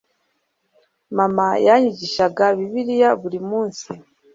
mama yanyigishaga Bibiliya buri munsi